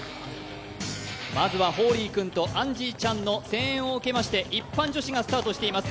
まずはホーリー君とアンジーちゃんの声援を受けまして、一般女子がスタートしています。